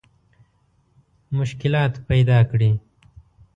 مشکلات پیدا کړي.